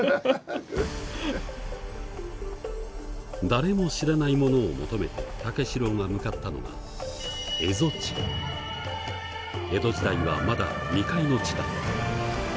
誰も知らない物を求めて武四郎が向かったのが江戸時代はまだ未開の知だった。